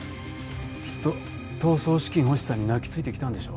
きっと逃走資金欲しさに泣きついてきたんでしょう。